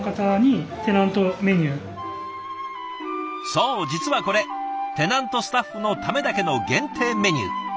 そう実はこれテナントスタッフのためだけの限定メニュー。